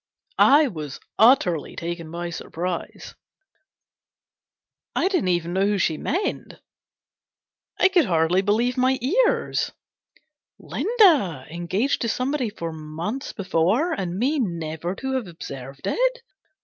I was utterly taken by surprise. I didn't know who she meant. I could hardly believe GENERAL PASSAVANT'S WILL. 323 my ears. Linda engaged to somebody for months before, and me never to have observed it